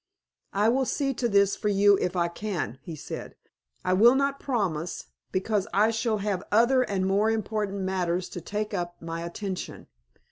"I will see to this for you if I can," he said. "I will not promise, because I shall have other and more important matters to take up my attention.